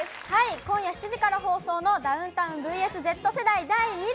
今夜７時から放送の『ダウンタウンｖｓＺ世代』第２弾。